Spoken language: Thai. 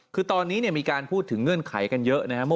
คือตอนนี้มีการพูดถึงเงื่อนไขกันเยอะนะครับ